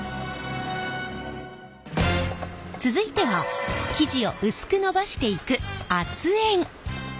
続いては生地を薄く延ばしていく圧延。